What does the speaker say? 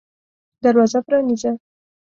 دروازه پرانیزه !